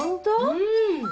うん。